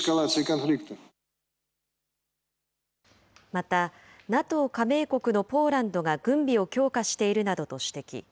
また、ＮＡＴＯ加盟国のポーランドが軍備を強化しているなどと指摘。